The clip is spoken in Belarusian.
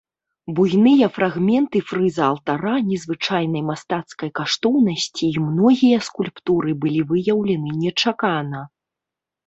Буйныя фрагменты фрыза алтара незвычайнай мастацкай каштоўнасці і многія скульптуры былі выяўлены нечакана.